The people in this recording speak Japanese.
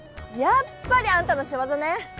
やっぱりあんたのしわざね！